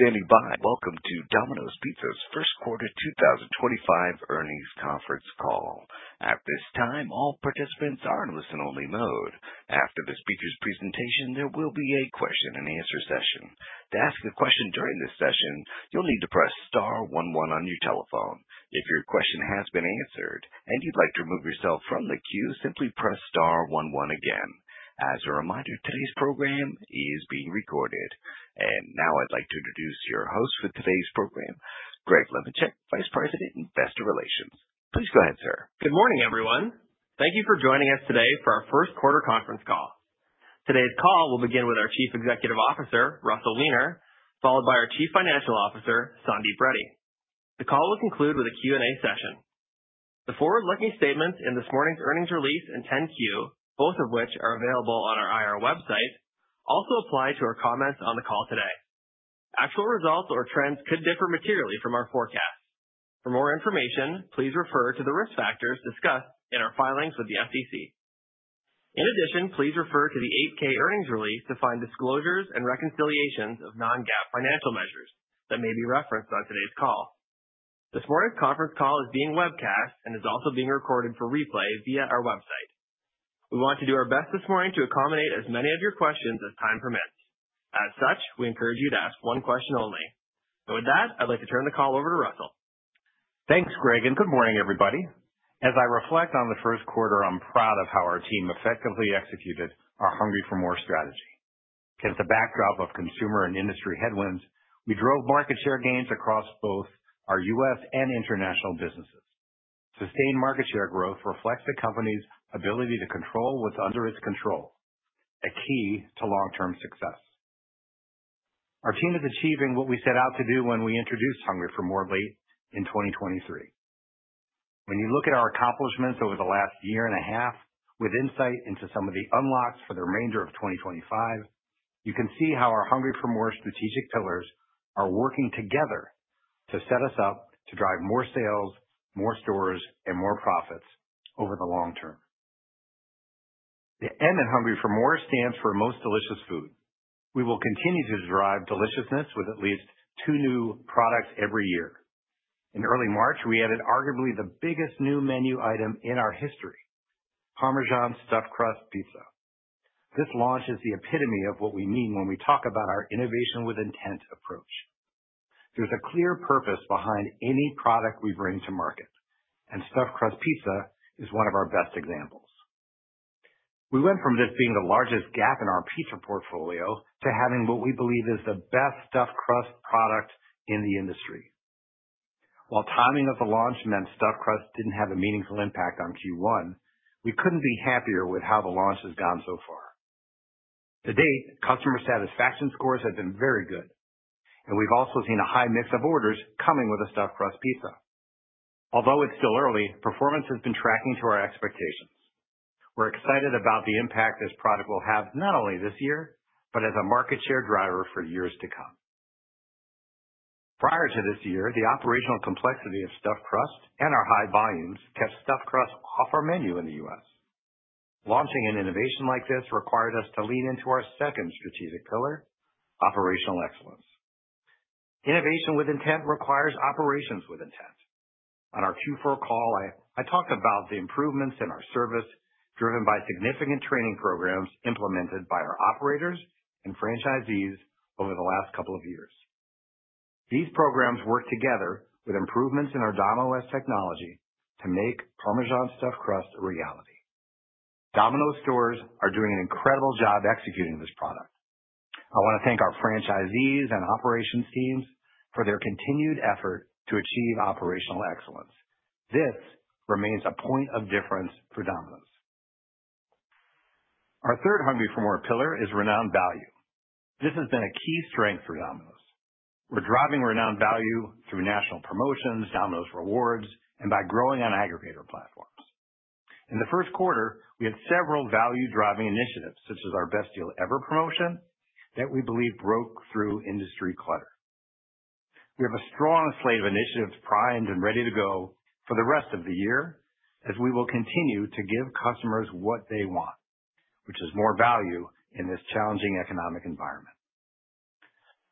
Thank you for standing by. Welcome to Domino's Pizza's First Quarter 2025 Earnings Conference Call. At this time, all participants are in listen-only mode. After the speaker's presentation, there will be a question-and-answer session. To ask a question during this session, you'll need to press star one one on your telephone. If your question has been answered and you'd like to remove yourself from the queue, simply press star one one again. As a reminder, today's program is being recorded. Now I'd like to introduce your host for today's program, Greg Lemenchick, Vice President, Investor Relations. Please go ahead, sir. Good morning, everyone. Thank you for joining us today for our First Quarter Conference Call. Today's call will begin with our Chief Executive Officer, Russell Weiner, followed by our Chief Financial Officer, Sandeep Reddy. The call will conclude with a Q&A session. The forward-looking statements in this morning's earnings release and 10-Q, both of which are available on our IR website, also apply to our comments on the call today. Actual results or trends could differ materially from our forecasts. For more information, please refer to the risk factors discussed in our filings with the SEC. In addition, please refer to the 8-K earnings release to find disclosures and reconciliations of non-GAAP financial measures that may be referenced on today's call. This morning's conference call is being webcast and is also being recorded for replay via our website. We want to do our best this morning to accommodate as many of your questions as time permits. As such, we encourage you to ask one question only. With that, I'd like to turn the call over to Russell. Thanks, Greg, and good morning, everybody. As I reflect on the first quarter, I'm proud of how our team effectively executed our "Hungry for MORE" strategy. In the backdrop of consumer and industry headwinds, we drove market share gains across both our U.S. and international businesses. Sustained market share growth reflects a company's ability to control what's under its control, a key to long-term success. Our team is achieving what we set out to do when we introduced "Hungry for MORE" late in 2023. When you look at our accomplishments over the last year and a half, with insight into some of the unlocks for the remainder of 2025, you can see how our "Hungry for MORE" strategic pillars are working together to set us up to drive more sales, more stores, and more profits over the long term. The M in "Hungry for MORE" stands for Most Delicious Food. We will continue to drive deliciousness with at least two new products every year. In early March, we added arguably the biggest new menu item in our history, Parmesan Stuffed Crust Pizza. This launch is the epitome of what we mean when we talk about our innovation with intent approach. There is a clear purpose behind any product we bring to market, and Stuffed Crust Pizza is one of our best examples. We went from this being the largest gap in our pizza portfolio to having what we believe is the best Stuffed Crust product in the industry. While timing of the launch meant Stuffed Crust did not have a meaningful impact on Q1, we could not be happier with how the launch has gone so far. To date, customer satisfaction scores have been very good, and we have also seen a high mix of orders coming with a Stuffed Crust Pizza. Although it's still early, performance has been tracking to our expectations. We're excited about the impact this product will have not only this year, but as a market share driver for years to come. Prior to this year, the operational complexity of Stuffed Crust and our high volumes kept Stuffed Crust off our menu in the U.S. Launching an innovation like this required us to lean into our second strategic pillar, Operational Excellence. Innovation with intent requires operations with intent. On our Q4 call, I talked about the improvements in our service driven by significant training programs implemented by our operators and franchisees over the last couple of years. These programs work together with improvements in our Dom.OS technology to make Parmesan Stuffed Crust a reality. Domino's stores are doing an incredible job executing this product. I want to thank our franchisees and operations teams for their continued effort to achieve Operational Excellence. This remains a point of difference for Domino's. Our third "Hungry for MORE" pillar is Renowned Value. This has been a key strength for Domino's. We're driving Renowned Value through national promotions, Domino's Rewards, and by growing on aggregator platforms. In the first quarter, we had several value-driving initiatives, such as our Best Deal Ever promotion, that we believe broke through industry clutter. We have a strong slate of initiatives primed and ready to go for the rest of the year, as we will continue to give customers what they want, which is more value in this challenging economic environment.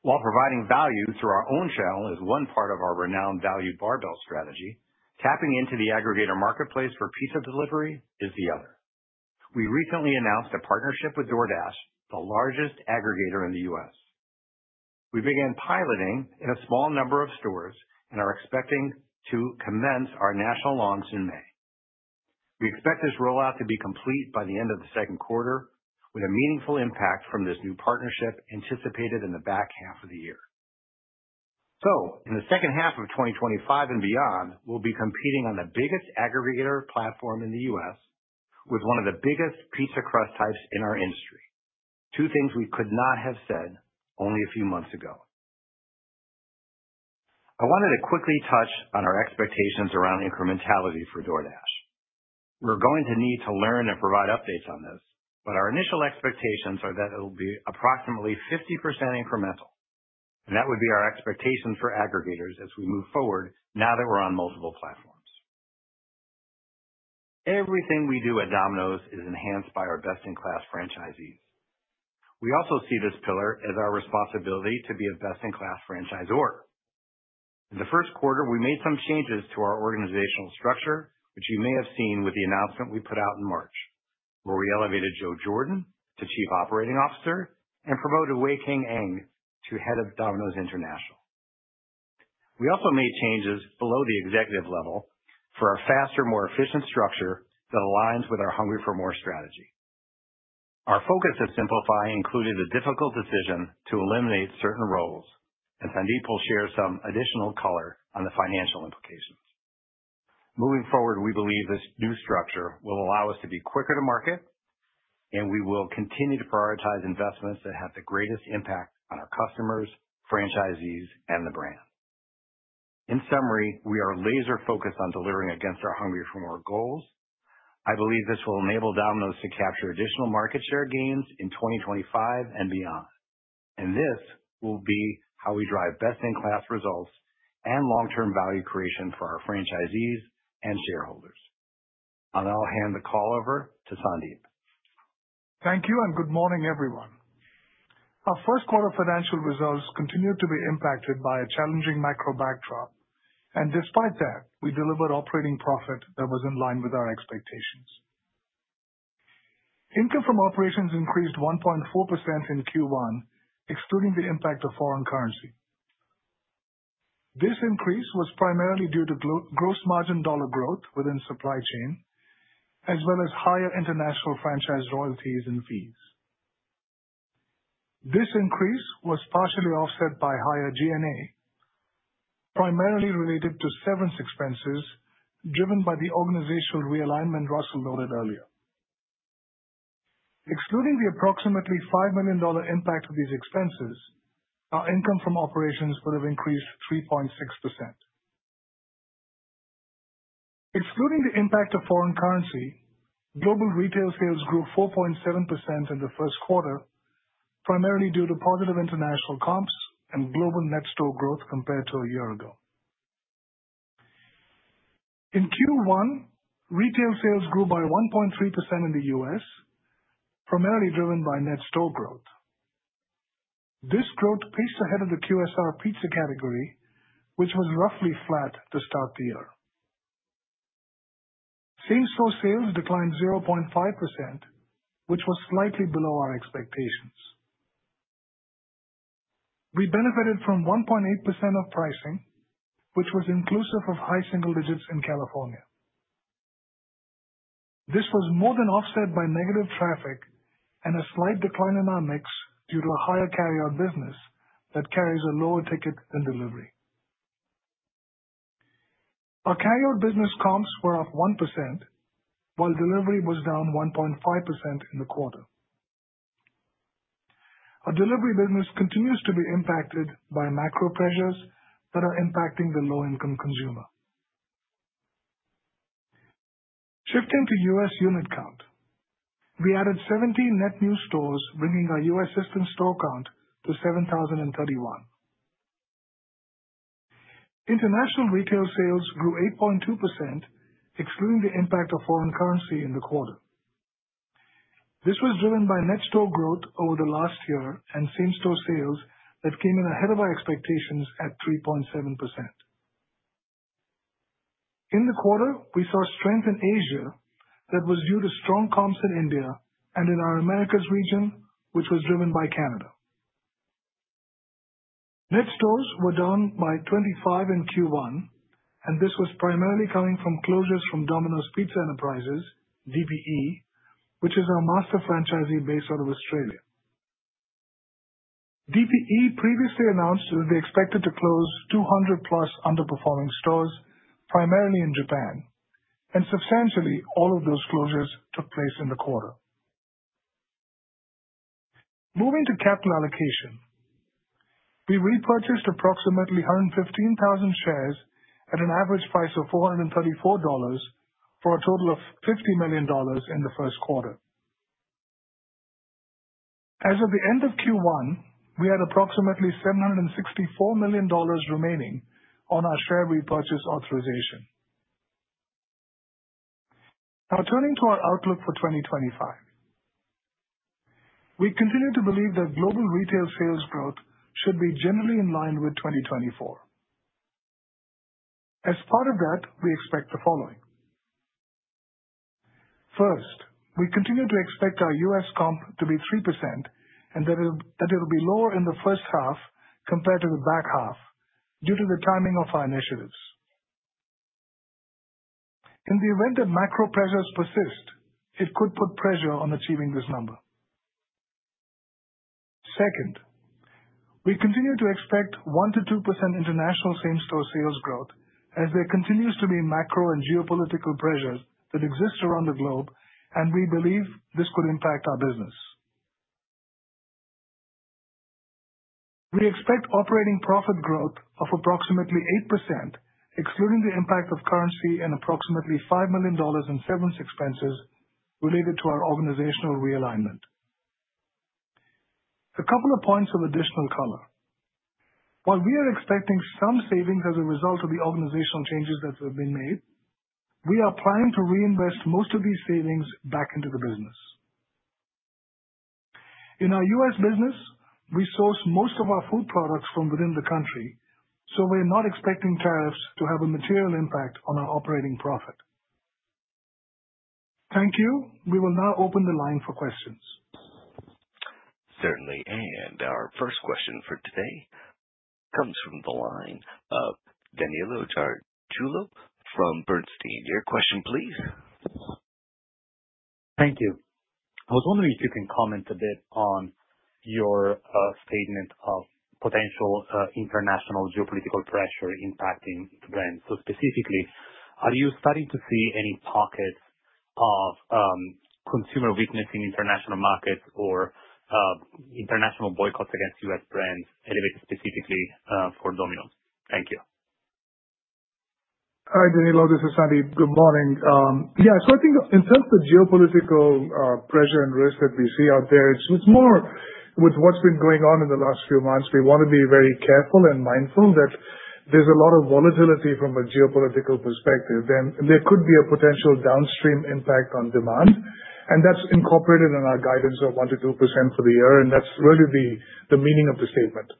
While providing value through our own channel is one part of our Renowned Value Barbell strategy, tapping into the aggregator marketplace for pizza delivery is the other. We recently announced a partnership with DoorDash, the largest aggregator in the U.S. We began piloting in a small number of stores and are expecting to commence our national launch in May. We expect this rollout to be complete by the end of the second quarter, with a meaningful impact from this new partnership anticipated in the back half of the year. In the second half of 2025 and beyond, we'll be competing on the biggest aggregator platform in the U.S. with one of the biggest pizza crust types in our industry. Two things we could not have said only a few months ago. I wanted to quickly touch on our expectations around incrementality for DoorDash. We're going to need to learn and provide updates on this, but our initial expectations are that it'll be approximately 50% incremental, and that would be our expectations for aggregators as we move forward now that we're on multiple platforms. Everything we do at Domino's is enhanced by our Best-in-Class Franchisees. We also see this pillar as our responsibility to be a best-in-class franchisor. In the first quarter, we made some changes to our organizational structure, which you may have seen with the announcement we put out in March, where we elevated Joe Jordan to Chief Operating Officer and promoted Weiking Ng to Head of Domino's International. We also made changes below the executive level for a faster, more efficient structure that aligns with our "Hungry for MORE" strategy. Our focus to simplify included a difficult decision to eliminate certain roles, and Sandeep will share some additional color on the financial implications. Moving forward, we believe this new structure will allow us to be quicker to market, and we will continue to prioritize investments that have the greatest impact on our customers, franchisees, and the brand. In summary, we are laser-focused on delivering against our "Hungry for MORE" goals. I believe this will enable Domino's to capture additional market share gains in 2025 and beyond, and this will be how we drive best-in-class results and long-term value creation for our franchisees and shareholders. I'll now hand the call over to Sandeep. Thank you, and good morning, everyone. Our first quarter financial results continued to be impacted by a challenging macro backdrop, and despite that, we delivered operating profit that was in line with our expectations. Income from operations increased 1.4% in Q1, excluding the impact of foreign currency. This increase was primarily due to gross margin dollar growth within supply chain, as well as higher international franchise royalties and fees. This increase was partially offset by higher G&A, primarily related to severance expenses driven by the organizational realignment Russell noted earlier. Excluding the approximately $5 million impact of these expenses, our income from operations would have increased 3.6%. Excluding the impact of foreign currency, global retail sales grew 4.7% in the first quarter, primarily due to positive international comps and global net store growth compared to a year ago. In Q1, retail sales grew by 1.3% in the U.S., primarily driven by net store growth. This growth paced ahead of the QSR pizza category, which was roughly flat to start the year. Same-store sales declined 0.5%, which was slightly below our expectations. We benefited from 1.8% of pricing, which was inclusive of high single digits in California. This was more than offset by negative traffic and a slight decline in our mix due to a higher carryout business that carries a lower ticket than delivery. Our carryout business comps were up 1%, while delivery was down 1.5% in the quarter. Our delivery business continues to be impacted by macro pressures that are impacting the low-income consumer. Shifting to U.S. unit count, we added 17 net new stores, bringing our U.S. system store count to 7,031. International retail sales grew 8.2%, excluding the impact of foreign currency in the quarter. This was driven by net store growth over the last year and same-store sales that came in ahead of our expectations at 3.7%. In the quarter, we saw strength in Asia that was due to strong comps in India and in our Americas region, which was driven by Canada. Net stores were down by 25 in Q1, and this was primarily coming from closures from Domino's Pizza Enterprises, DPE, which is our master franchisee based out of Australia. DPE previously announced that they expected to close 200-plus underperforming stores, primarily in Japan, and substantially all of those closures took place in the quarter. Moving to capital allocation, we repurchased approximately 115,000 shares at an average price of $434 for a total of $50 million in the first quarter. As of the end of Q1, we had approximately $764 million remaining on our share repurchase authorization. Now, turning to our outlook for 2025, we continue to believe that global retail sales growth should be generally in line with 2024. As part of that, we expect the following. First, we continue to expect our U.S. comp to be 3% and that it'll be lower in the first half compared to the back half due to the timing of our initiatives. In the event that macro pressures persist, it could put pressure on achieving this number. Second, we continue to expect 1-2% international same-store sales growth as there continues to be macro and geopolitical pressures that exist around the globe, and we believe this could impact our business. We expect operating profit growth of approximately 8%, excluding the impact of currency and approximately $5 million in severance expenses related to our organizational realignment. A couple of points of additional color. While we are expecting some savings as a result of the organizational changes that have been made, we are planning to reinvest most of these savings back into the business. In our U.S. business, we source most of our food products from within the country, so we're not expecting tariffs to have a material impact on our operating profit. Thank you. We will now open the line for questions. Certainly, and our first question for today comes from the line of Danilo Gargiulo from Bernstein. Your question, please. Thank you. I was wondering if you can comment a bit on your statement of potential international geopolitical pressure impacting brands. Specifically, are you starting to see any pockets of consumer weakness in international markets or international boycotts against U.S. brands elevated specifically for Domino's? Thank you. Hi, Danilo. This is Sandeep. Good morning. Yeah, I think in terms of the geopolitical pressure and risk that we see out there, it's more with what's been going on in the last few months. We want to be very careful and mindful that there's a lot of volatility from a geopolitical perspective, and there could be a potential downstream impact on demand, and that's incorporated in our guidance of 1-2% for the year, and that's really the meaning of the statement.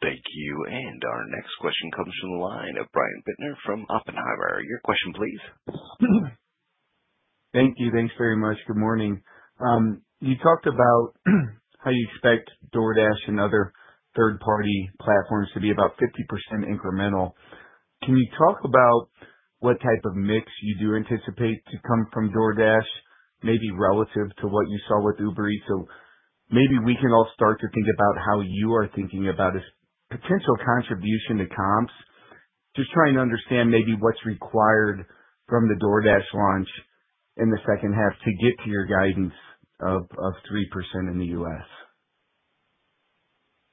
Thank you, and our next question comes from the line of Brian Bittner from Oppenheimer. Your question, please. Thank you. Thanks very much. Good morning. You talked about how you expect DoorDash and other third-party platforms to be about 50% incremental. Can you talk about what type of mix you do anticipate to come from DoorDash, maybe relative to what you saw with Uber Eats? Maybe we can all start to think about how you are thinking about this potential contribution to comps, just trying to understand maybe what's required from the DoorDash launch in the second half to get to your guidance of 3% in the U.S.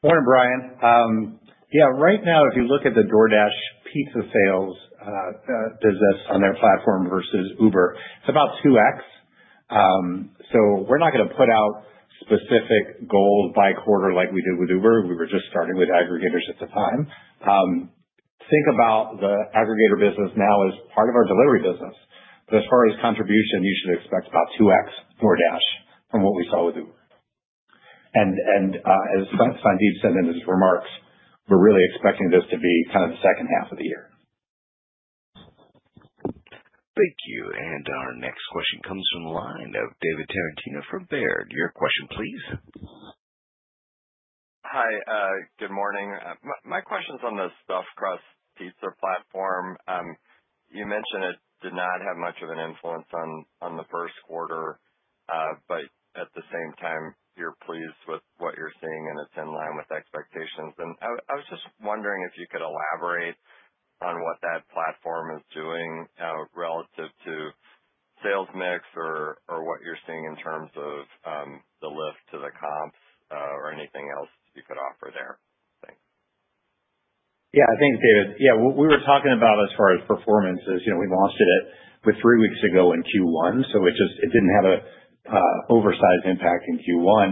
Morning, Brian. Yeah, right now, if you look at the DoorDash pizza sales business on their platform versus Uber, it's about 2X. We're not going to put out specific goals by quarter like we did with Uber. We were just starting with aggregators at the time. Think about the aggregator business now as part of our delivery business. As far as contribution, you should expect about 2X DoorDash from what we saw with Uber. As Sandeep said in his remarks, we're really expecting this to be kind of the second half of the year. Thank you, and our next question comes from the line of David Tarantino from Baird. Your question, please. Hi, good morning. My question's on the Stuffed Crust Pizza platform. You mentioned it did not have much of an influence on the first quarter, but at the same time, you're pleased with what you're seeing, and it's in line with expectations. I was just wondering if you could elaborate on what that platform is doing relative to sales mix or what you're seeing in terms of the lift to the comps or anything else you could offer there. Thanks. Yeah, thanks, David. Yeah, we were talking about as far as performance as we launched it three weeks ago in Q1, so it didn't have an oversized impact in Q1.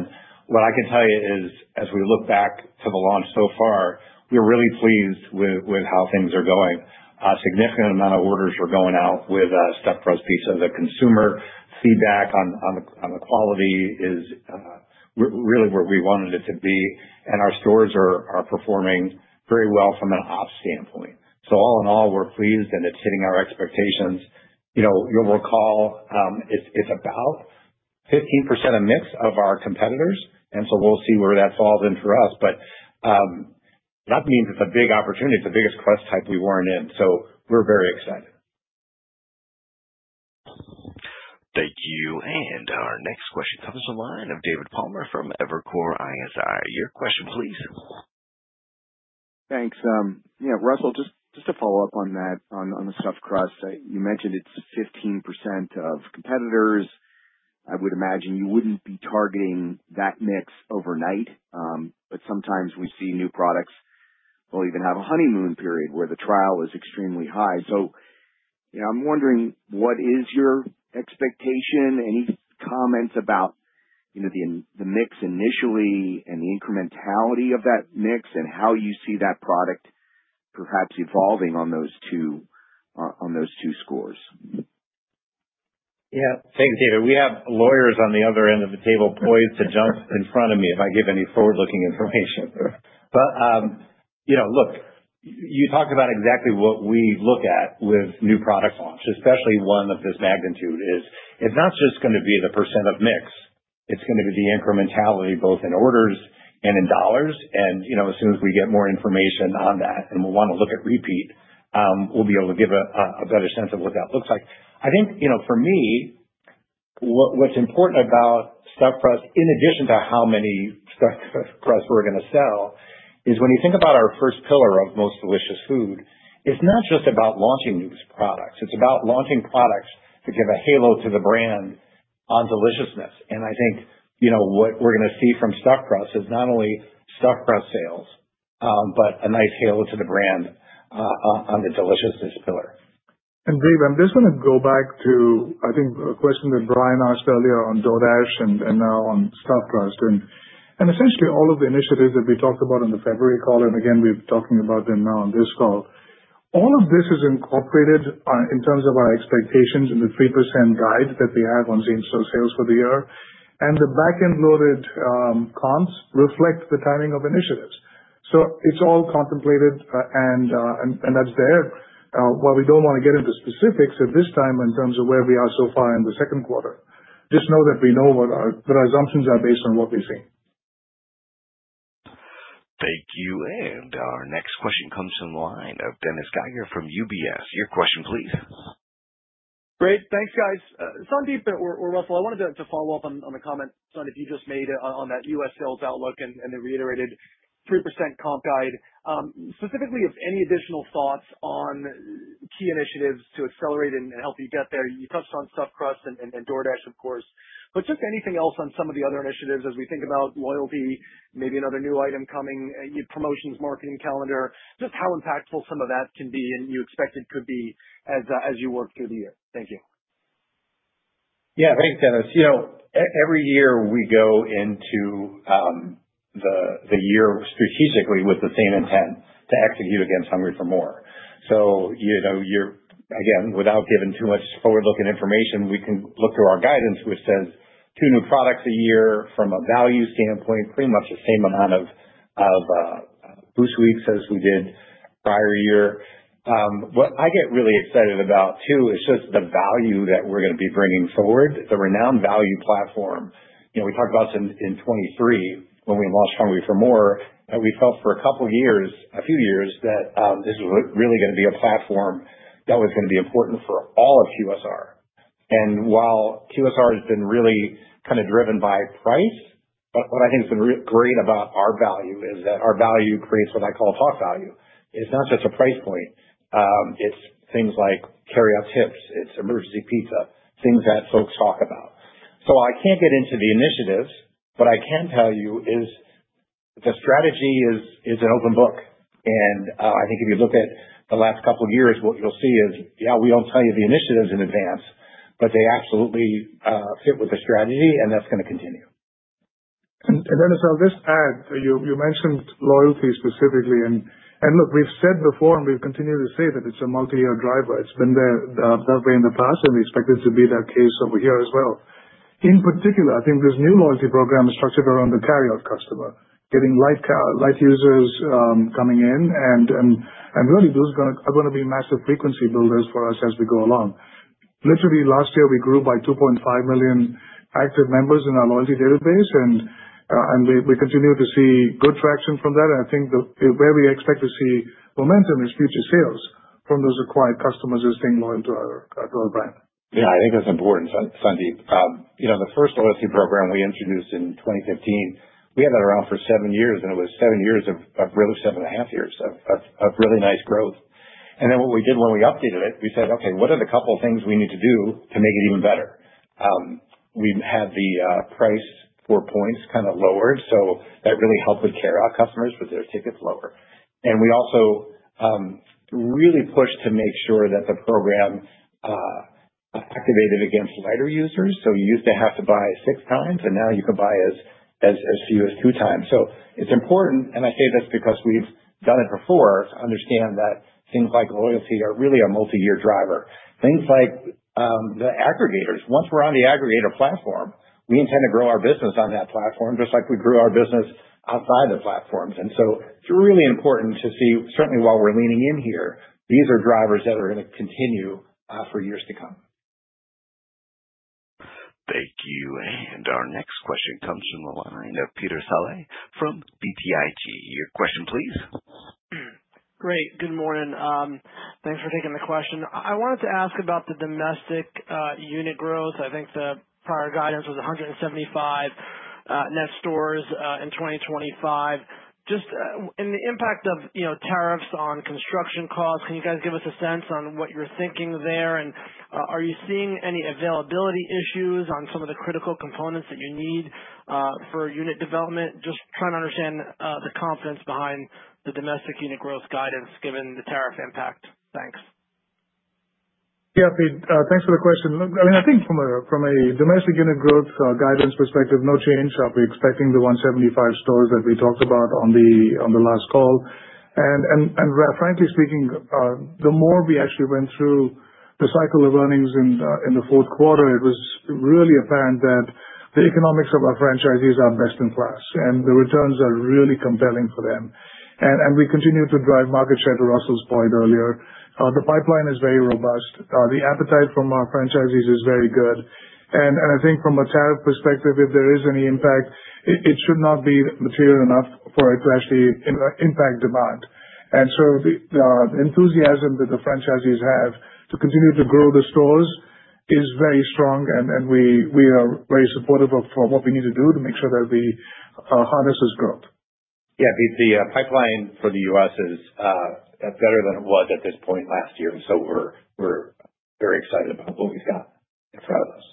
What I can tell you is, as we look back to the launch so far, we're really pleased with how things are going. A significant amount of orders are going out with Stuffed Crust Pizza. The consumer feedback on the quality is really where we wanted it to be, and our stores are performing very well from an ops standpoint. All in all, we're pleased, and it's hitting our expectations. You'll recall it's about 15% a mix of our competitors, and we'll see where that falls in for us. That means it's a big opportunity. It's the biggest crust type we've worn in, so we're very excited. Thank you, and our next question comes from the line of David Palmer from Evercore ISI. Your question, please. Thanks. Yeah, Russell, just to follow up on that, on the Stuffed Crust, you mentioned it's 15% of competitors. I would imagine you wouldn't be targeting that mix overnight, but sometimes we see new products will even have a honeymoon period where the trial is extremely high. I am wondering what is your expectation, any comments about the mix initially and the incrementality of that mix and how you see that product perhaps evolving on those two scores. Yeah, thanks, David. We have lawyers on the other end of the table poised to jump in front of me if I give any forward-looking information. Look, you talked about exactly what we look at with new product launches, especially one of this magnitude. It's not just going to be the percent of mix. It's going to be the incrementality both in orders and in dollars. As soon as we get more information on that, and we'll want to look at repeat, we'll be able to give a better sense of what that looks like. I think for me, what's important about Stuffed Crust, in addition to how many Stuffed Crust we're going to sell, is when you think about our first pillar of Most Delicious Food, it's not just about launching new products. It's about launching products to give a halo to the brand on deliciousness. I think what we're going to see from Stuffed Crust is not only Stuffed Crust sales, but a nice halo to the brand on the deliciousness pillar. Dave, I'm just going to go back to, I think, a question that Brian asked earlier on DoorDash and now on Stuffed Crust. Essentially, all of the initiatives that we talked about on the February call, and again, we're talking about them now on this call, all of this is incorporated in terms of our expectations in the 3% guide that we have on same-store sales for the year, and the back-end loaded comps reflect the timing of initiatives. It is all contemplated, and that's there. While we don't want to get into specifics at this time in terms of where we are so far in the second quarter, just know that we know what our assumptions are based on what we've seen. Thank you, and our next question comes from the line of Dennis Geiger from UBS. Your question, please. Great. Thanks, guys. Sandeep or Russell, I wanted to follow up on the comment, Sandeep, you just made on that U.S. sales outlook and the reiterated 3% comp guide. Specifically, if any additional thoughts on key initiatives to accelerate and help you get there. You touched on Stuffed Crust and DoorDash, of course, but just anything else on some of the other initiatives as we think about loyalty, maybe another new item coming, promotions, marketing calendar, just how impactful some of that can be and you expect it could be as you work through the year. Thank you. Yeah, thanks, Dennis. Every year, we go into the year strategically with the same intent to execute against "Hungry for MORE". Again, without giving too much forward-looking information, we can look through our guidance, which says two new products a year from a value standpoint, pretty much the same amount of Boost Weeks as we did prior year. What I get really excited about too is just the value that we're going to be bringing forward, the Renowned Value platform. We talked about this in 2023 when we launched "Hungry for MORE", that we felt for a couple of years, a few years, that this was really going to be a platform that was going to be important for all of QSR. While QSR has been really kind of driven by price, what I think has been great about our value is that our value creates what I call top value. It's not just a price point. It's things like Carryout Tips. It's Emergency Pizza, things that folks talk about. I can't get into the initiatives, but I can tell you the strategy is an open book. I think if you look at the last couple of years, what you'll see is, yeah, we don't tell you the initiatives in advance, but they absolutely fit with the strategy, and that's going to continue. Dennis, I'll just add, you mentioned loyalty specifically. Look, we've said before, and we've continued to say that it's a multi-year driver. It's been there that way in the past, and we expect it to be that case over here as well. In particular, I think this new loyalty program is structured around the carryout customer, getting light users coming in, and really, those are going to be massive frequency builders for us as we go along. Literally, last year, we grew by 2.5 million active members in our loyalty database, and we continue to see good traction from that. I think where we expect to see momentum is future sales from those acquired customers who are staying loyal to our brand. Yeah, I think that's important, Sandeep. The first loyalty program we introduced in 2015, we had that around for seven years, and it was seven years of really seven and a half years of really nice growth. What we did when we updated it, we said, "Okay, what are the couple of things we need to do to make it even better?" We had the price for points kind of lowered, so that really helped with carryout customers with their tickets lower. We also really pushed to make sure that the program activated against lighter users. You used to have to buy six times, and now you can buy as few as two times. It is important, and I say this because we've done it before, to understand that things like loyalty are really a multi-year driver. Things like the aggregators, once we're on the aggregator platform, we intend to grow our business on that platform, just like we grew our business outside the platforms. It is really important to see, certainly while we're leaning in here, these are drivers that are going to continue for years to come. Thank you, and our next question comes from the line of Peter Saleh from BTIG. Your question, please. Great. Good morning. Thanks for taking the question. I wanted to ask about the domestic unit growth. I think the prior guidance was 175 net stores in 2025. Just in the impact of tariffs on construction costs, can you guys give us a sense on what you're thinking there? Are you seeing any availability issues on some of the critical components that you need for unit development? Just trying to understand the confidence behind the domestic unit growth guidance given the tariff impact. Thanks. Yeah, thanks for the question. Look, I mean, I think from a domestic unit growth guidance perspective, no change. We're expecting the 175 stores that we talked about on the last call. Frankly speaking, the more we actually went through the cycle of earnings in the fourth quarter, it was really apparent that the economics of our franchisees are best in class, and the returns are really compelling for them. We continue to drive market share, to Russell's point earlier. The pipeline is very robust. The appetite from our franchisees is very good. I think from a tariff perspective, if there is any impact, it should not be material enough for it to actually impact demand. The enthusiasm that the franchisees have to continue to grow the stores is very strong, and we are very supportive of what we need to do to make sure that we harness this growth. Yeah, the pipeline for the U.S. is better than it was at this point last year, and so we're very excited about what we've got in front of us.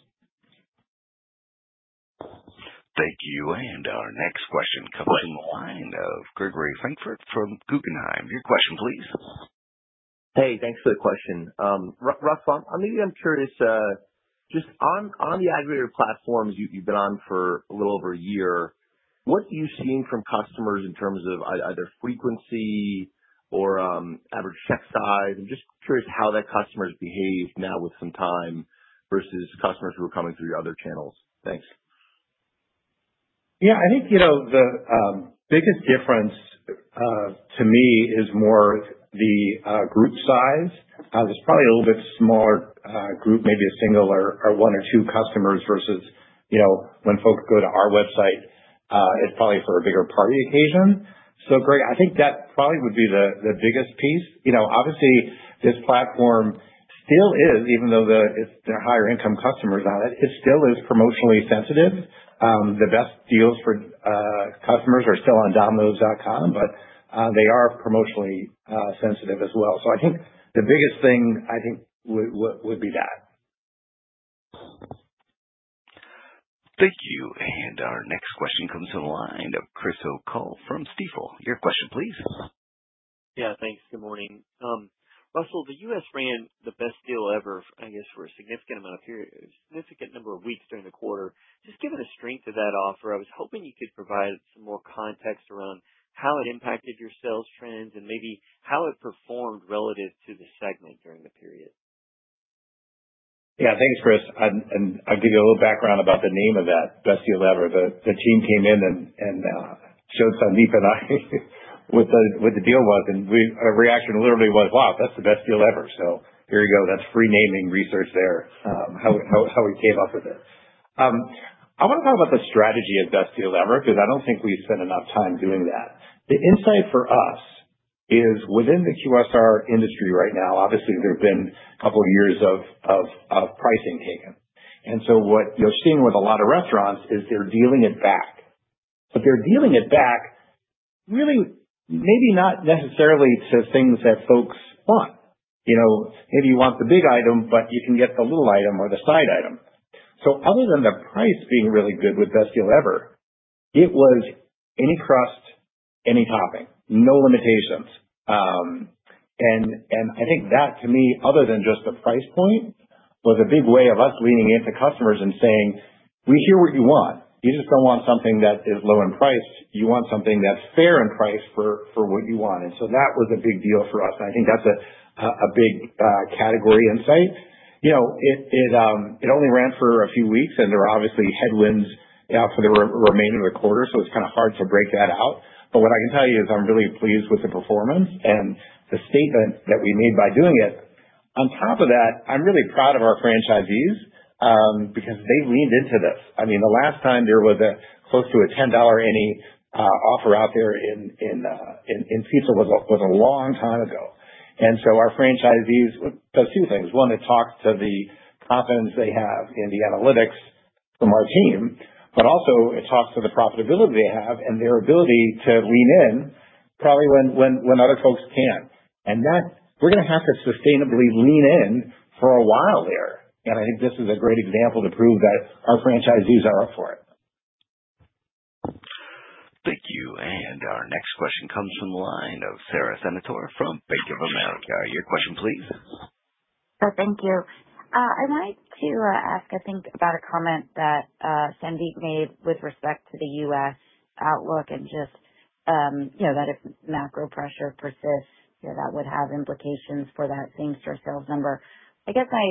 Thank you, and our next question comes from the line of Gregory Francfort from Guggenheim. Your question, please. Hey, thanks for the question. Russell, I'm curious, just on the aggregator platforms you've been on for a little over a year, what are you seeing from customers in terms of either frequency or average check size? I'm just curious how that customer has behaved now with some time versus customers who are coming through your other channels. Thanks. Yeah, I think the biggest difference to me is more the group size. There's probably a little bit smaller group, maybe a single or one or two customers versus when folks go to our website, it's probably for a bigger party occasion. Greg, I think that probably would be the biggest piece. Obviously, this platform still is, even though there are higher-income customers on it, it still is promotionally sensitive. The best deals for customers are still on Domino's.com, but they are promotionally sensitive as well. I think the biggest thing I think would be that. Thank you, and our next question comes from the line of Chris O'Cull from Stifel. Your question, please. Yeah, thanks. Good morning. Russell, the U.S. ran the Best Deal Ever, I guess, for a significant number of weeks during the quarter. Just given the strength of that offer, I was hoping you could provide some more context around how it impacted your sales trends and maybe how it performed relative to the segment during the period. Yeah, thanks, Chris. I'll give you a little background about the name of that Best Deal Ever. The team came in and showed Sandeep and I what the deal was, and our reaction literally was, "Wow, that's the best deal ever." Here you go. That's free naming research there how we came up with it. I want to talk about the strategy of Best Deal Ever because I don't think we spend enough time doing that. The insight for us is within the QSR industry right now, obviously, there have been a couple of years of pricing taken. What you're seeing with a lot of restaurants is they're dealing it back. They're dealing it back really maybe not necessarily to things that folks want. Maybe you want the big item, but you can get the little item or the side item. Other than the price being really good with Best Deal Ever, it was any crust, any topping, no limitations. I think that, to me, other than just the price point, was a big way of us leaning into customers and saying, "We hear what you want. You just don't want something that is low in price. You want something that's fair in price for what you want." That was a big deal for us. I think that's a big category insight. It only ran for a few weeks, and there were obviously headwinds for the remainder of the quarter, so it's kind of hard to break that out. What I can tell you is I'm really pleased with the performance and the statement that we made by doing it. On top of that, I'm really proud of our franchisees because they leaned into this. I mean, the last time there was a close to a $10 any offer out there in pizza was a long time ago. Our franchisees do a few things. One, it talks to the confidence they have in the analytics from our team, but also it talks to the profitability they have and their ability to lean in probably when other folks can't. We are going to have to sustainably lean in for a while there. I think this is a great example to prove that our franchisees are up for it. Thank you. Our next question comes from the line of Sara Senatore from Bank of America. Your question, please. Thank you. I wanted to ask, I think, about a comment that Sandeep made with respect to the U.S. outlook and just that if macro pressure persists, that would have implications for that same-store sales number. I guess I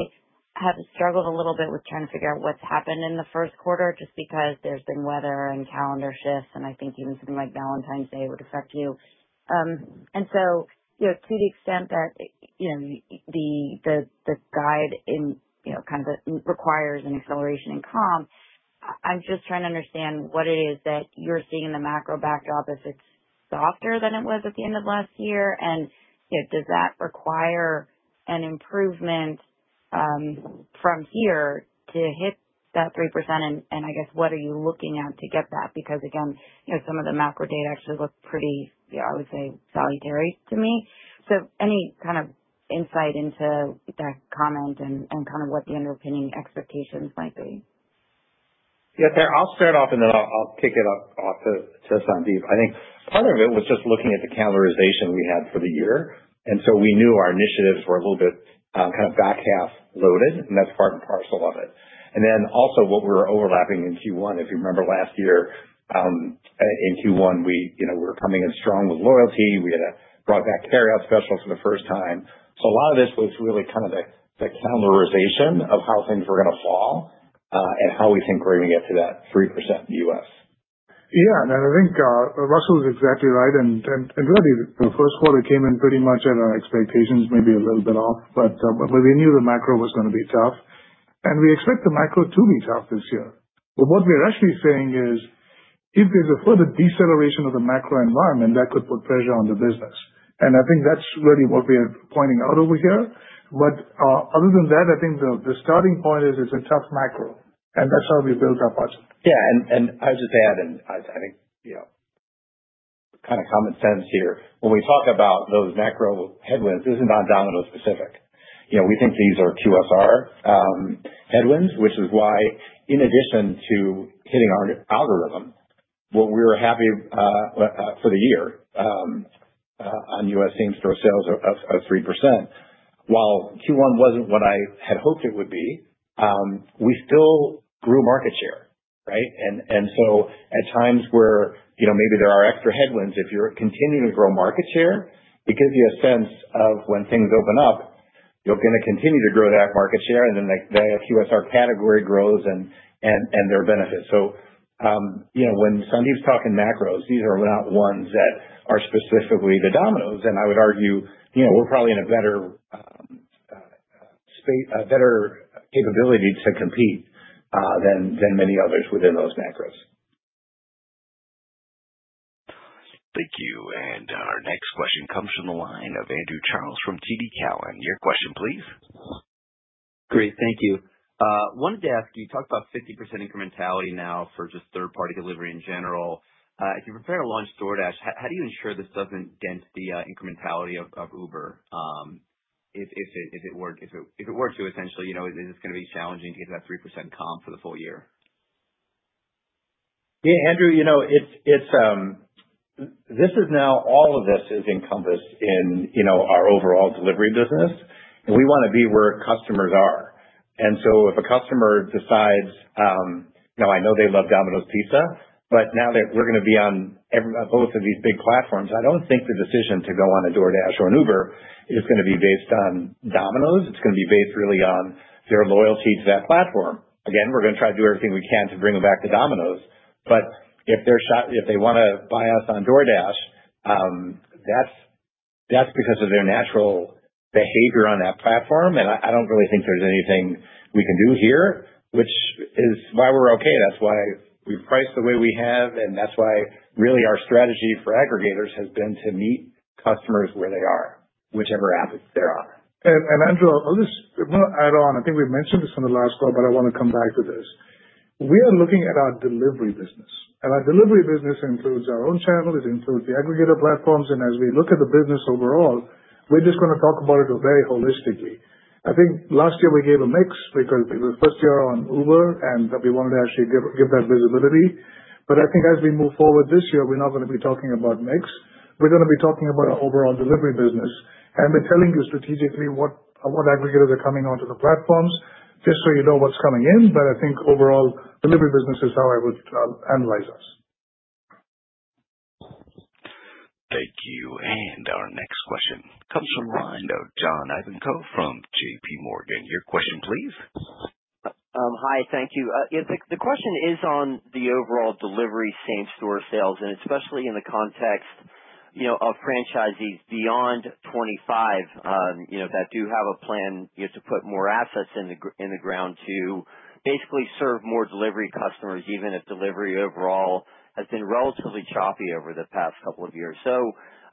have struggled a little bit with trying to figure out what's happened in the first quarter just because there's been weather and calendar shifts, and I think even something like Valentine's Day would affect you. To the extent that the guide kind of requires an acceleration in comp, I'm just trying to understand what it is that you're seeing in the macro backdrop if it's softer than it was at the end of last year. Does that require an improvement from here to hit that 3%? I guess, what are you looking at to get that? Because again, some of the macro data actually look pretty, I would say, solitary to me. Any kind of insight into that comment and kind of what the underpinning expectations might be? Yeah, I'll start off, and then I'll kick it off to Sandeep. I think part of it was just looking at the calendarization we had for the year. We knew our initiatives were a little bit kind of back half loaded, and that's part and parcel of it. Also, what we were overlapping in Q1, if you remember last year, in Q1, we were coming in strong with loyalty. We had a brought-back Carryout Special for the first time. A lot of this was really kind of the calendarization of how things were going to fall and how we think we're going to get to that 3% in the U.S. Yeah, I think Russell is exactly right. Really, the first quarter came in pretty much at our expectations, maybe a little bit off, but we knew the macro was going to be tough. We expect the macro to be tough this year. What we're actually saying is if there's a further deceleration of the macro environment, that could put pressure on the business. I think that's really what we're pointing out over here. Other than that, I think the starting point is it's a tough macro, and that's how we built our budget. Yeah, and I'll just add, and I think kind of common sense here, when we talk about those macro headwinds, this is not Domino's specific. We think these are QSR headwinds, which is why, in addition to hitting our algorithm, what we were happy for the year on U.S. same-store sales of 3%, while Q1 wasn't what I had hoped it would be, we still grew market share, right? At times where maybe there are extra headwinds, if you're continuing to grow market share, it gives you a sense of when things open up, you're going to continue to grow that market share, and then the QSR category grows and their benefits. When Sandeep's talking macros, these are not ones that are specifically to Domino's, and I would argue we're probably in a better capability to compete than many others within those macros. Thank you. Our next question comes from the line of Andrew Charles from TD Cowen. Your question, please. Great, thank you. Wanted to ask, you talked about 50% incrementality now for just third-party delivery in general. If you're preparing to launch DoorDash, how do you ensure this doesn't dent the incrementality of Uber if it were to? Essentially, is it going to be challenging to get that 3% comp for the full year? Yeah, Andrew, this is now all of this is encompassed in our overall delivery business, and we want to be where customers are. If a customer decides, "No, I know they love Domino's Pizza, but now that we're going to be on both of these big platforms," I don't think the decision to go on a DoorDash or an Uber is going to be based on Domino's. It's going to be based really on their loyalty to that platform. Again, we're going to try to do everything we can to bring them back to Domino's. If they want to buy us on DoorDash, that's because of their natural behavior on that platform. I don't really think there's anything we can do here, which is why we're okay. That's why we've priced the way we have, and that's why really our strategy for aggregators has been to meet customers where they are, whichever app they're on. Andrew, I'll just add on. I think we mentioned this on the last call, but I want to come back to this. We are looking at our delivery business. Our delivery business includes our own channels. It includes the aggregator platforms. As we look at the business overall, we're just going to talk about it very holistically. I think last year we gave a mix because it was the first year on Uber, and we wanted to actually give that visibility. I think as we move forward this year, we're not going to be talking about mix. We're going to be talking about our overall delivery business. We're telling you strategically what aggregators are coming onto the platforms just so you know what's coming in. I think overall delivery business is how I would analyze us. Thank you. Our next question comes from the line of John Ivankoe from JP Morgan. Your question, please. Hi, thank you. The question is on the overall delivery same-store sales, and especially in the context of franchisees beyond 25 that do have a plan to put more assets in the ground to basically serve more delivery customers, even if delivery overall has been relatively choppy over the past couple of years.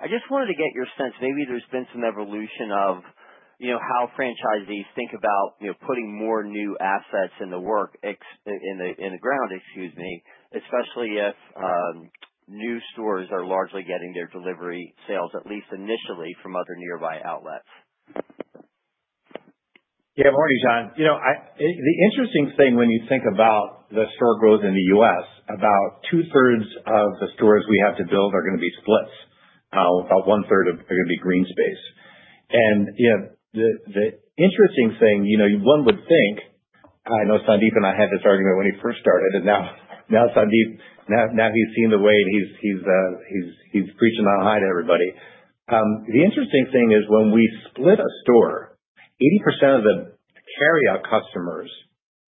I just wanted to get your sense. Maybe there's been some evolution of how franchisees think about putting more new assets in the work in the ground, excuse me, especially if new stores are largely getting their delivery sales, at least initially, from other nearby outlets. Yeah, morning, John. The interesting thing when you think about the store growth in the U.S., about two-thirds of the stores we have to build are going to be splits. About one-third are going to be green space. The interesting thing, one would think, I know Sandeep and I had this argument when he first started, and now Sandeep, now he's seen the way he's preaching on high to everybody. The interesting thing is when we split a store, 80% of the carryout customers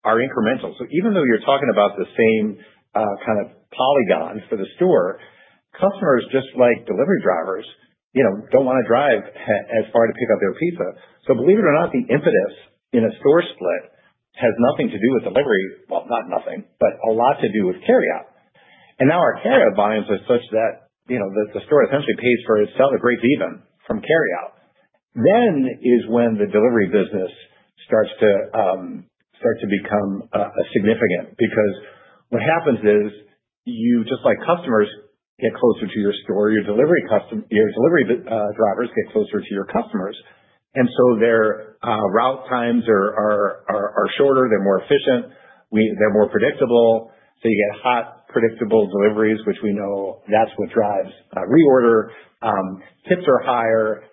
are incremental. Even though you're talking about the same kind of polygon for the store, customers, just like delivery drivers, don't want to drive as far to pick up their pizza. Believe it or not, the impetus in a store split has nothing to do with delivery—well, not nothing, but a lot to do with carryout. Our carryout volumes are such that the store essentially pays for itself a great deal from carryout. That is when the delivery business starts to become significant because what happens is you, just like customers, get closer to your store. Your delivery drivers get closer to your customers. Their route times are shorter. They are more efficient. They are more predictable. You get hot, predictable deliveries, which we know is what drives reorder. Tips are higher.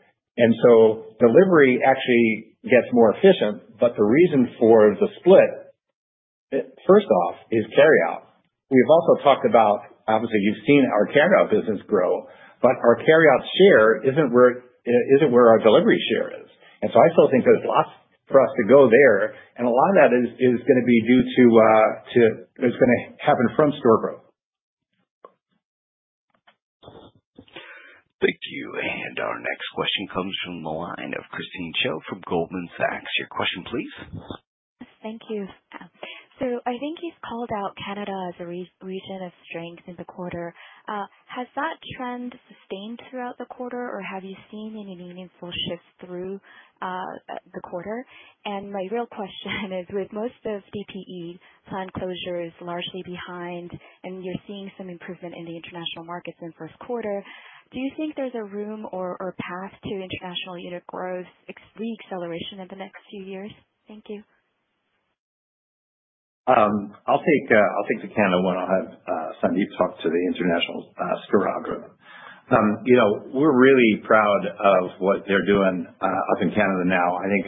Delivery actually gets more efficient. The reason for the split, first off, is carryout. We have also talked about, obviously, you have seen our carryout business grow, but our carryout share is not where our delivery share is. I still think there is lots for us to go there. A lot of that is going to be due to—it is going to happen from store growth. Thank you. Our next question comes from the line of Christine Cho from Goldman Sachs. Your question, please. Thank you. I think you've called out Canada as a region of strength in the quarter. Has that trend sustained throughout the quarter, or have you seen any meaningful shifts through the quarter? My real question is, with most of DPE planned closures largely behind, and you're seeing some improvement in the international markets in the first quarter, do you think there's a room or path to international growth, re-acceleration in the next few years? Thank you. I'll take the Canada one. I'll have Sandeep talk to the international store algorithm. We're really proud of what they're doing up in Canada now. I think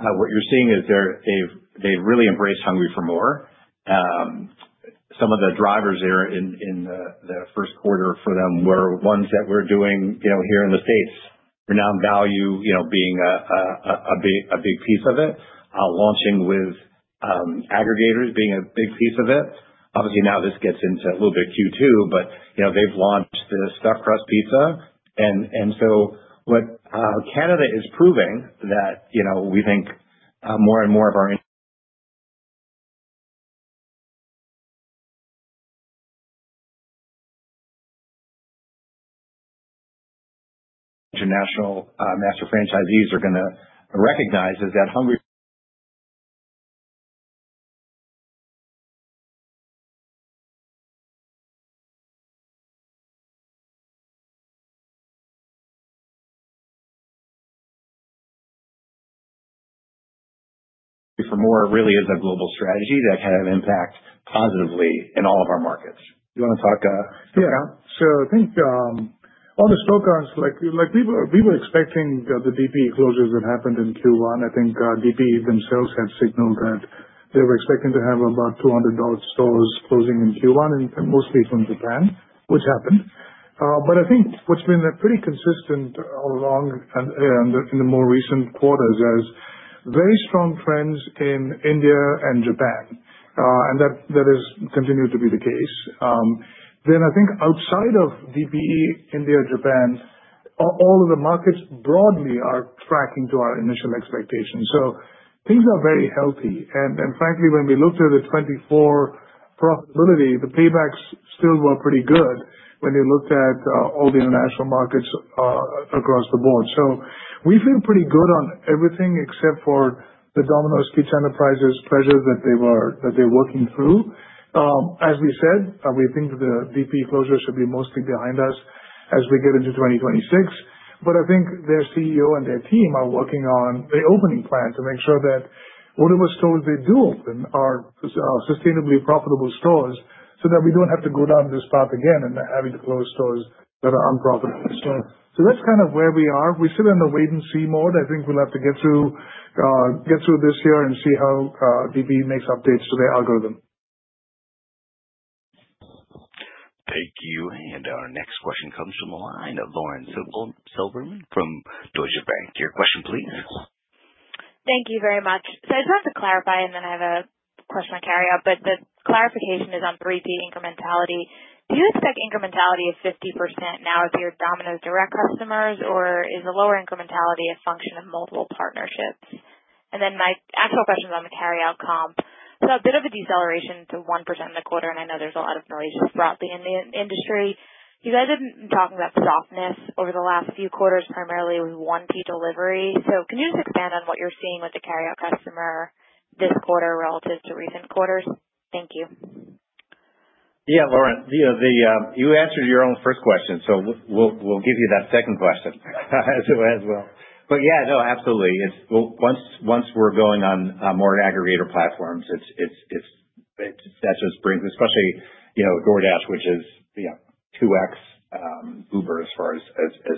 what you're seeing is they've really embraced "Hungry for MORE". Some of the drivers there in the first quarter for them were ones that we're doing here in the States. Renowned Value being a big piece of it, launching with aggregators being a big piece of it. Obviously, now this gets into a little bit Q2, but they've launched the Stuffed Crust Pizza. Canada is proving that we think more and more of our international master franchisees are going to recognize is that "Hungry for MORE" really is a global strategy that can have impact positively in all of our markets. Do you want to talk Stuffed Crust? Yeah. I think on the Stuffed Crust, we were expecting the DPE closures that happened in Q1. I think DPE themselves had signaled that they were expecting to have about 200 stores closing in Q1, and mostly from Japan, which happened. I think what's been pretty consistent all along in the more recent quarters is very strong trends in India and Japan. That has continued to be the case. I think outside of DPE, India, Japan, all of the markets broadly are tracking to our initial expectations. Things are very healthy. Frankly, when we looked at the 2024 profitability, the paybacks still were pretty good when you looked at all the international markets across the board. We feel pretty good on everything except for the Domino's Pizza Enterprises pressures that they're working through. As we said, we think the DPE closures should be mostly behind us as we get into 2026. I think their CEO and their team are working on the opening plan to make sure that whatever stores they do open are sustainably profitable stores so that we do not have to go down this path again and having to close stores that are unprofitable. That is kind of where we are. We are still in the wait-and-see mode. I think we will have to get through this year and see how DPE makes updates to their algorithm. Thank you. Our next question comes from the line of Lauren Silberman from Deutsche Bank. Your question, please. Thank you very much. I just wanted to clarify, and then I have a question on carryout. The clarification is on 3P incrementality. Do you expect incrementality of 50% now if you're Domino's direct customers, or is the lower incrementality a function of multiple partnerships? My actual question is on the carryout comp. A bit of a deceleration to 1% in the quarter, and I know there's a lot of noise just broadly in the industry. You guys have been talking about softness over the last few quarters, primarily with 1P delivery. Can you just expand on what you're seeing with the carryout customer this quarter relative to recent quarters? Thank you. Yeah, Lauren, you answered your own first question, so we'll give you that second question as well. Yeah, no, absolutely. Once we're going on more aggregator platforms, that just brings especially DoorDash, which is 2X Uber as far as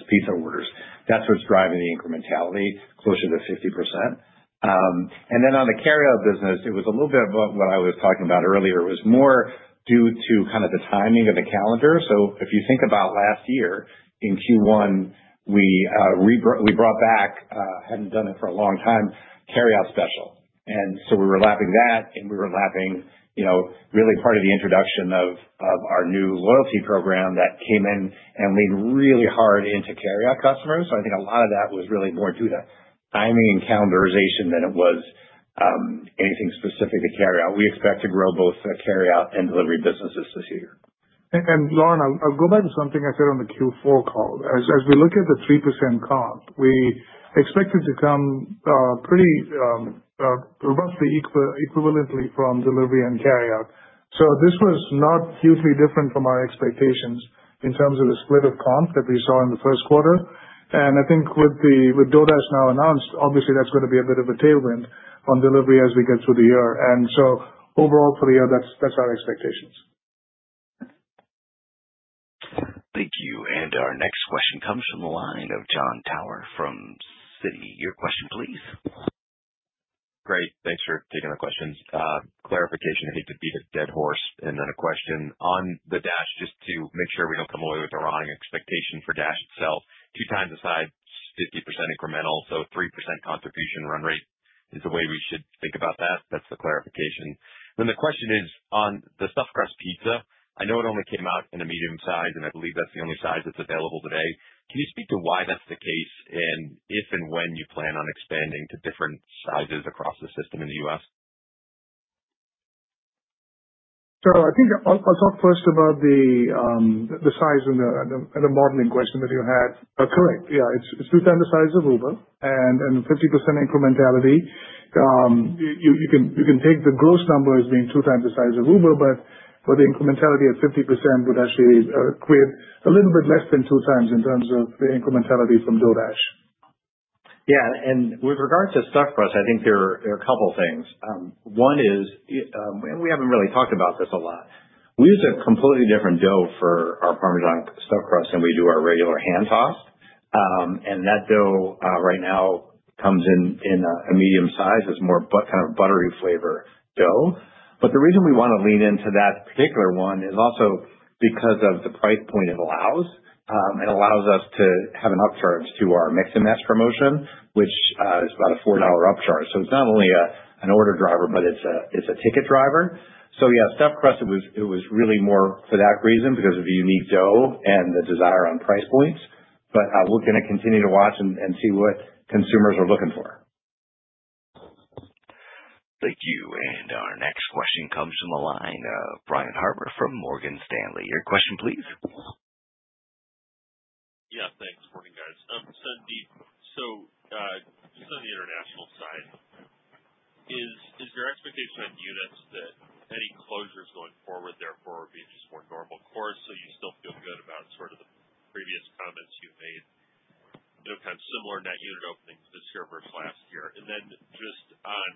pizza orders. That's what's driving the incrementality closer to 50%. On the carryout business, it was a little bit of what I was talking about earlier. It was more due to kind of the timing of the calendar. If you think about last year, in Q1, we brought back—hadn't done it for a long time—Carryout Special. We were lapping that, and we were lapping really part of the introduction of our new loyalty program that came in and leaned really hard into carryout customers. I think a lot of that was really more due to timing and calendarization than it was anything specific to carryout. We expect to grow both the carryout and delivery businesses this year. Lauren, I'll go back to something I said on the Q4 call. As we look at the 3% comp, we expected to come pretty robustly equivalently from delivery and carryout. This was not hugely different from our expectations in terms of the split of comp that we saw in the first quarter. I think with DoorDash now announced, obviously, that's going to be a bit of a tailwind on delivery as we get through the year. Overall for the year, that's our expectations. Thank you. Our next question comes from the line of Jon Tower from Citi. Your question, please. Great. Thanks for taking the question. Clarification: I hate to beat a dead horse. Then a question on the Dash, just to make sure we do not come away with the wrong expectation for Dash itself. Two times a side, 50% incremental. So 3% contribution run rate is the way we should think about that. That is the clarification. The question is on the Stuffed Crust Pizza. I know it only came out in a medium size, and I believe that is the only size that is available today. Can you speak to why that is the case and if and when you plan on expanding to different sizes across the system in the U.S.? I think I'll talk first about the size and the modeling question that you had. Correct. Yeah. It's two times the size of Uber and 50% incrementality. You can take the gross numbers being two times the size of Uber, but the incrementality at 50% would actually create a little bit less than two times in terms of the incrementality from DoorDash. Yeah. With regard to Stuffed Crust, I think there are a couple of things. One is, and we have not really talked about this a lot. We use a completely different dough for our Parmesan Stuffed Crust, and we do our regular hand-tossed. That dough right now comes in a medium size. It is more kind of a buttery flavor dough. The reason we want to lean into that particular one is also because of the price point it allows. It allows us to have an upcharge to our Mix & Match promotion, which is about a $4 upcharge. It is not only an order driver, but it is a ticket driver. Yeah, Stuffed Crust, it was really more for that reason because of the unique dough and the desire on price points. We are going to continue to watch and see what consumers are looking for. Thank you. Our next question comes from the line of Brian Harbour from Morgan Stanley. Your question, please. Yeah. Thanks, Morning, guys. Just on the international side, is there expectation on units that any closures going forward therefore will be just more normal course? You still feel good about sort of the previous comments you've made, kind of similar net unit openings this year versus last year? Just on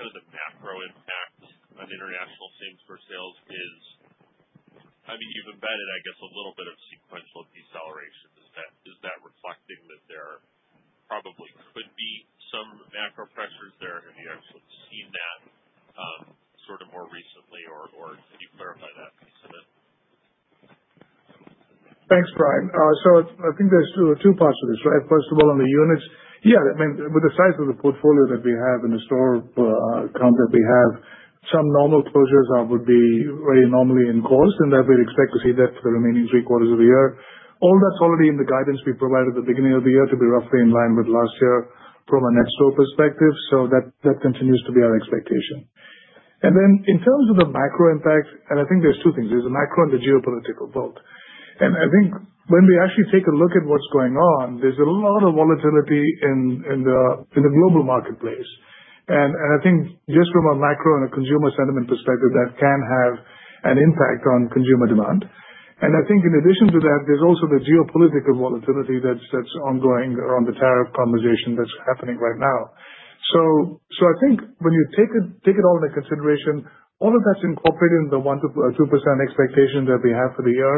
kind of the macro impact on international same-store sales, I mean, you've embedded, I guess, a little bit of sequential deceleration. Is that reflecting that there probably could be some macro pressures there? Have you actually seen that sort of more recently, or can you clarify that piece of it? Thanks, Brian. I think there's two parts to this. First of all, on the units, yeah, I mean, with the size of the portfolio that we have and the store count that we have, some normal closures would be very normally in course, and that we'd expect to see that for the remaining three quarters of the year. All that's already in the guidance we provided at the beginning of the year to be roughly in line with last year from a net store perspective. That continues to be our expectation. In terms of the macro impact, I think there's two things. There's the macro and the geopolitical both. I think when we actually take a look at what's going on, there's a lot of volatility in the global marketplace. I think just from a macro and a consumer sentiment perspective, that can have an impact on consumer demand. I think in addition to that, there's also the geopolitical volatility that's ongoing around the tariff conversation that's happening right now. I think when you take it all into consideration, all of that's incorporated in the 1-2% expectation that we have for the year.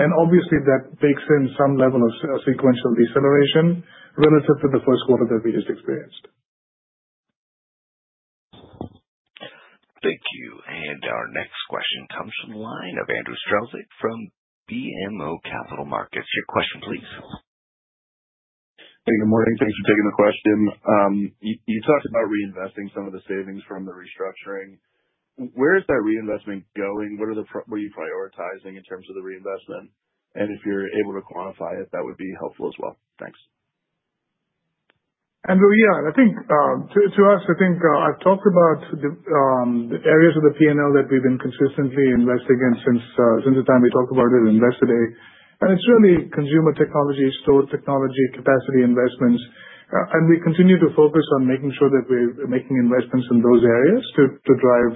Obviously, that takes in some level of sequential deceleration relative to the first quarter that we just experienced. Thank you. Our next question comes from the line of Andrew Strelzik from BMO Capital Markets. Your question, please. Hey, good morning. Thanks for taking the question. You talked about reinvesting some of the savings from the restructuring. Where is that reinvestment going? What are you prioritizing in terms of the reinvestment? If you're able to quantify it, that would be helpful as well. Thanks. Andrew, yeah. I think to us, I think I've talked about the areas of the P&L that we've been consistently investing in since the time we talked about it yesterday. It's really consumer technology, store technology, capacity investments. We continue to focus on making sure that we're making investments in those areas to drive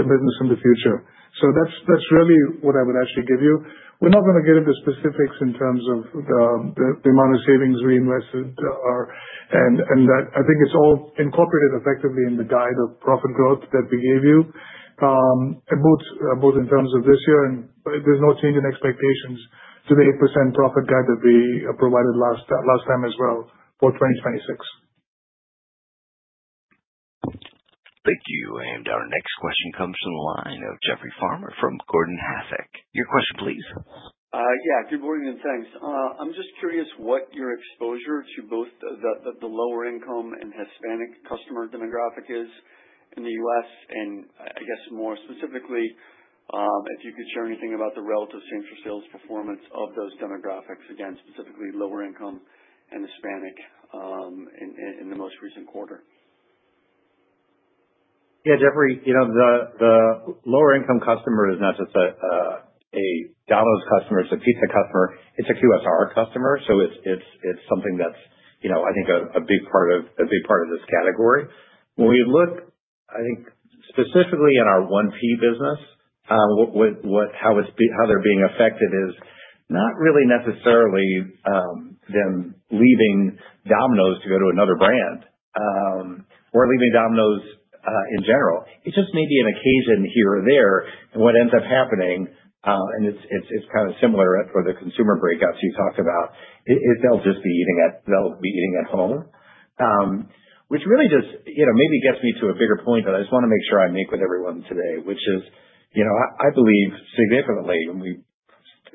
the business in the future. That's really what I would actually give you. We're not going to get into specifics in terms of the amount of savings reinvested. I think it's all incorporated effectively in the guide of profit growth that we gave you, both in terms of this year, and there's no change in expectations to the 8% profit guide that we provided last time as well for 2026. Thank you. Our next question comes from the line of Jeffrey Farmer from Gordon Haskett. Your question, please. Yeah. Good morning and thanks. I'm just curious what your exposure to both the lower-income and Hispanic customer demographic is in the U.S. I guess more specifically, if you could share anything about the relative comps for sales performance of those demographics, again, specifically lower-income and Hispanic in the most recent quarter. Yeah, Jeffrey, the lower-income customer is not just a Domino's customer, it's a pizza customer. It's a QSR customer. It is something that's, I think, a big part of this category. When we look, I think, specifically in our 1P business, how they're being affected is not really necessarily them leaving Domino's to go to another brand or leaving Domino's in general. It just may be an occasion here or there. What ends up happening, and it's kind of similar for the consumer breakouts you talked about, is they'll just be eating at home, which really just maybe gets me to a bigger point that I just want to make sure I make with everyone today, which is I believe significantly, and we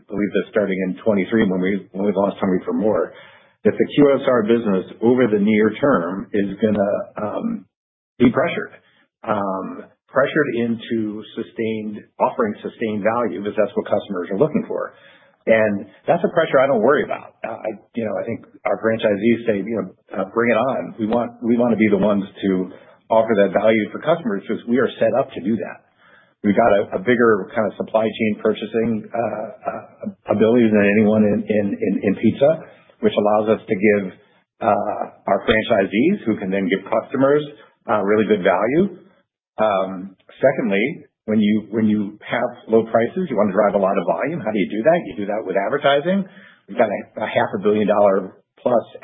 believe that starting in 2023, when we launched "Hungry for MORE", that the QSR business over the near term is going to be pressured, pressured into offering sustained value because that's what customers are looking for. That's a pressure I don't worry about. I think our franchisees say, "Bring it on." We want to be the ones to offer that value for customers because we are set up to do that. We've got a bigger kind of supply chain purchasing ability than anyone in pizza, which allows us to give our franchisees, who can then give customers really good value. Secondly, when you have low prices, you want to drive a lot of volume. How do you do that? You do that with advertising. We've got a $500 milion+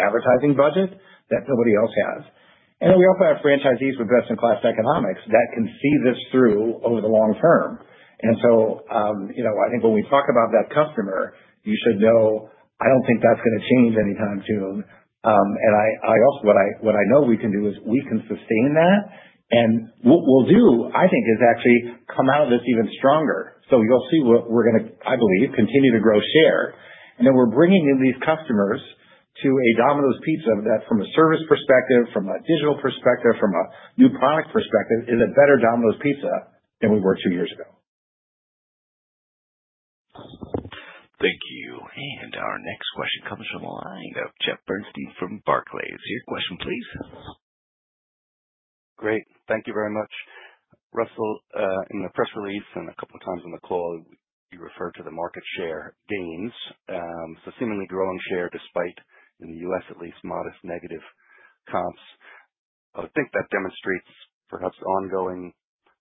advertising budget that nobody else has. We also have franchisees with best-in-class economics that can see this through over the long term. I think when we talk about that customer, you should know, "I don't think that's going to change anytime soon." What I know we can do is we can sustain that. What we'll do, I think, is actually come out of this even stronger. You'll see what we're going to, I believe, continue to grow share. We're bringing in these customers to a Domino's Pizza that, from a service perspective, from a digital perspective, from a new product perspective, is a better Domino's Pizza than we were two years ago. Thank you. Our next question comes from the line of Jeffrey Bernstein from Barclays. Your question, please. Great. Thank you very much. Russell, in the press release and a couple of times on the call, you referred to the market share gains. Seemingly growing share despite, in the U.S. at least, modest negative comps. I would think that demonstrates perhaps ongoing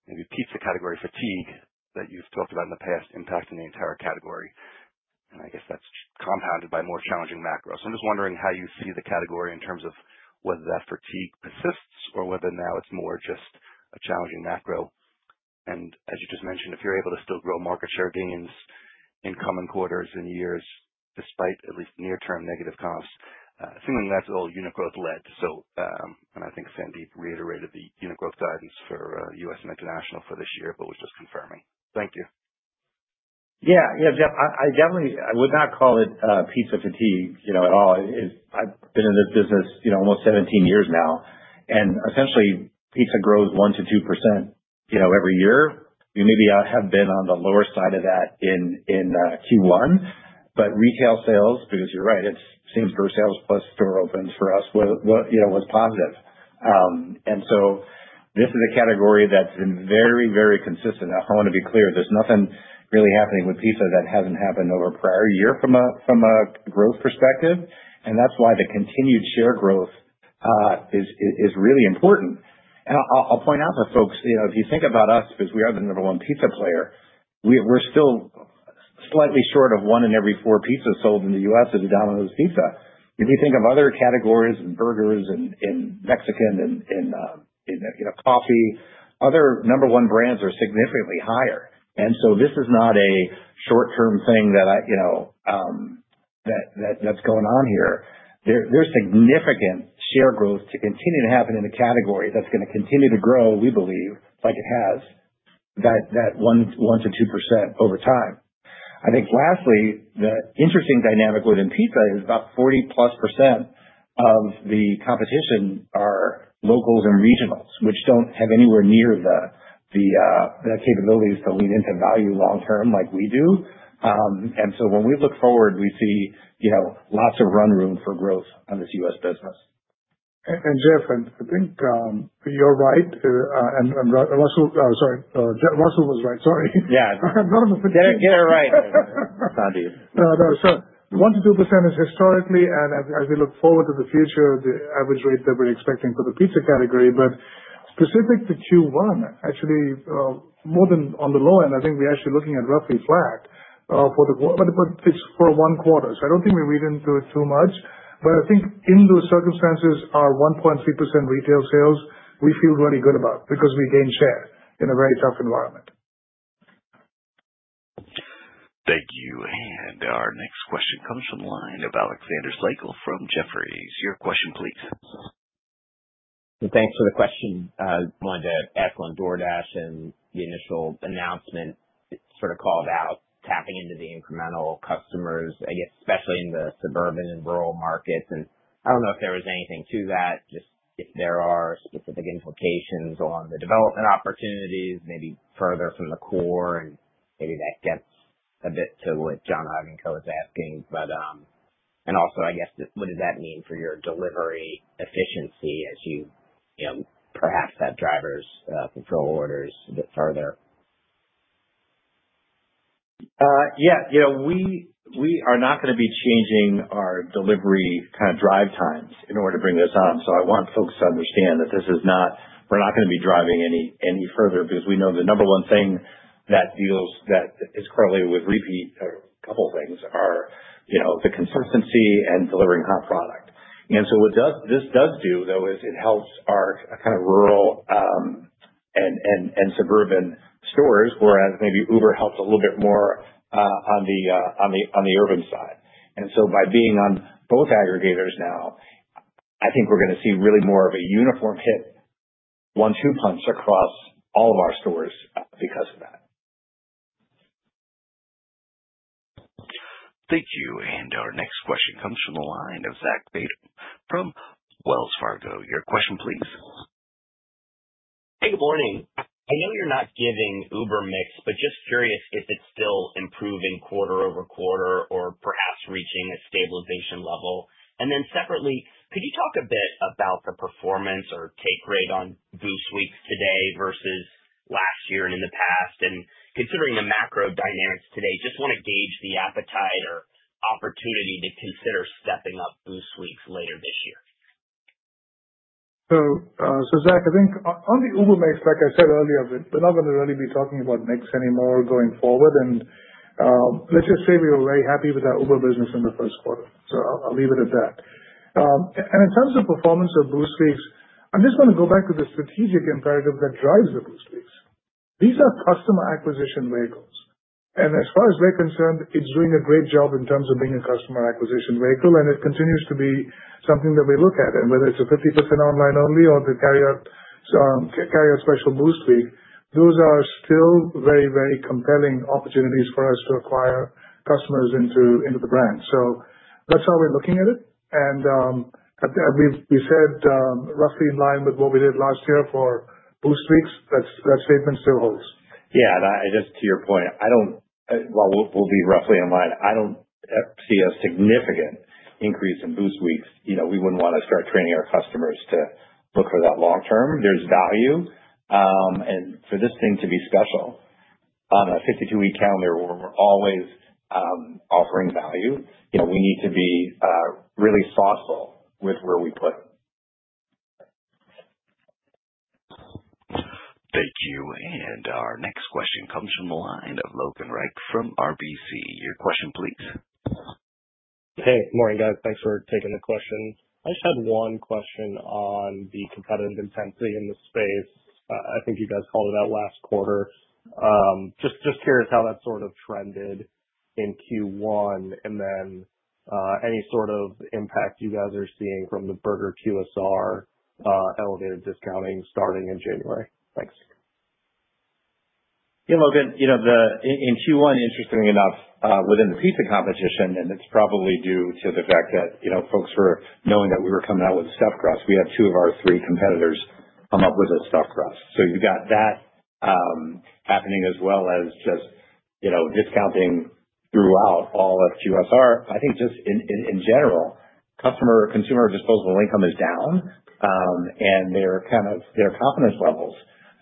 maybe pizza category fatigue that you've talked about in the past impacting the entire category. I guess that's compounded by more challenging macros. I'm just wondering how you see the category in terms of whether that fatigue persists or whether now it's more just a challenging macro. As you just mentioned, if you're able to still grow market share gains in coming quarters and years despite at least near-term negative comps, seemingly that's all unit growth led. I think Sandy reiterated the unit growth guidance for U.S. and international for this year, but was just confirming. Thank you. Yeah. Yeah, Jeff, I definitely would not call it pizza fatigue at all. I've been in this business almost 17 years now. And essentially, pizza grows 1-2% every year. We maybe have been on the lower side of that in Q1. Retail sales, because you're right, it's same-store sales plus store opens for us, was positive. This is a category that's been very, very consistent. I want to be clear. There's nothing really happening with pizza that hasn't happened over a prior year from a growth perspective. That's why the continued share growth is really important. I'll point out to folks, if you think about us, because we are the number one pizza player, we're still slightly short of one in every four pizzas sold in the U.S. as a Domino's Pizza. If you think of other categories and burgers and Mexican and coffee, other number one brands are significantly higher. This is not a short-term thing that's going on here. There's significant share growth to continue to happen in a category that's going to continue to grow, we believe, like it has, that 1-2% over time. I think lastly, the interesting dynamic within pizza is about 40+% of the competition are locals and regionals, which don't have anywhere near the capabilities to lean into value long-term like we do. When we look forward, we see lots of run room for growth on this U.S. business. Jeff, I think you're right. Russell—sorry, Russell was right. Sorry. Yeah. Get it right. No, no. 1-2% is historically, and as we look forward to the future, the average rate that we're expecting for the pizza category. Specific to Q1, actually, more than on the low end, I think we're actually looking at roughly flat for the—but it's for one quarter. I don't think we read into it too much. I think in those circumstances, our 1.3% retail sales, we feel really good about because we gained share in a very tough environment. Thank you. Our next question comes from the line of Alexander Siegel from Jefferies. Your question, please. Thanks for the question. I wanted to echo on DoorDash and the initial announcement sort of called out tapping into the incremental customers, I guess, especially in the suburban and rural markets. I don't know if there was anything to that, just if there are specific implications on the development opportunities, maybe further from the core, and maybe that gets a bit to what John Ivankoe is asking. I guess, what does that mean for your delivery efficiency as you perhaps have drivers control orders a bit further? Yeah. We are not going to be changing our delivery kind of drive times in order to bring this on. I want folks to understand that this is not—we're not going to be driving any further because we know the number one thing that is correlated with repeat, or a couple of things, are the consistency and delivering hot product. What this does do, though, is it helps our kind of rural and suburban stores, whereas maybe Uber helped a little bit more on the urban side. By being on both aggregators now, I think we're going to see really more of a uniform hit, one-two punch across all of our stores because of that. Thank you. Our next question comes from the line ofCo